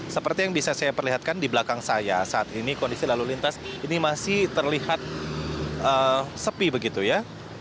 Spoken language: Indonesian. seperti yang bisa saya perlihatkan di belakang saya saat ini kondisi lalu lintas ini masih terlihat sepi begitu ya